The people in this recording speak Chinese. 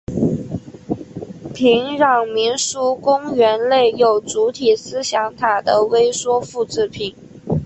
平壤民俗公园内有主体思想塔的微缩复制品。